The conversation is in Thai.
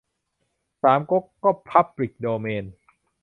สามก๊ก ก็พับลิกโดเมน